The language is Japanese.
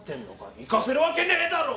行かせるわけねぇだろうが！